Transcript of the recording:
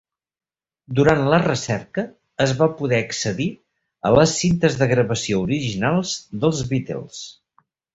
Durant la recerca, es va poder accedir a les cintes de gravació originals dels Beatles.